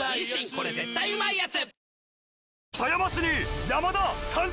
これ絶対うまいやつ」